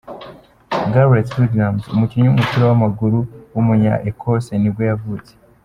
Gareth Williams, umukinnyi w’umupira w’amaguru w’umunya Ecosse nibwo yavutse.